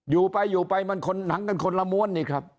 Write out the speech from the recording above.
อยู่ไปอยู่ไปมันทังกันคนละมวล